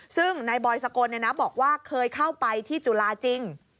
ซึ่งนายบอยสกลบอกว่าเคยเข้าไปที่จุฬาจริง